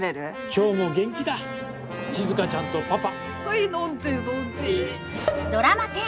今日も元気だ静ちゃんとパパ。